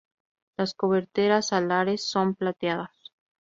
Las coberteras alares son plateadas.